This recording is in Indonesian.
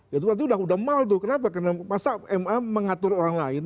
ya itu berarti udah mal tuh kenapa karena masa ma mengatur orang lain